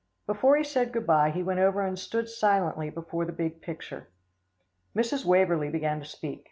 Before he said good bye, he went over and stood silently before the big picture. Mrs. Waverlee began to speak.